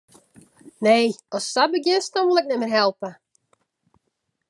Nee, ast sa begjinst, dan wol ik net mear helpe.